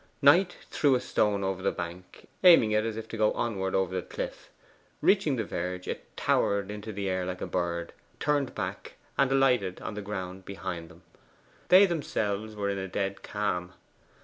Knight threw a stone over the bank, aiming it as if to go onward over the cliff. Reaching the verge, it towered into the air like a bird, turned back, and alighted on the ground behind them. They themselves were in a dead calm.